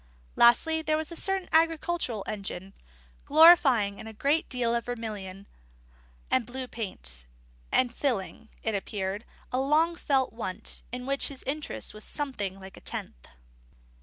Lastly, there was a certain agricultural engine, glorying in a great deal of vermilion and blue paint, and filling (it appeared) a "long felt want," in which his interest was something like a tenth.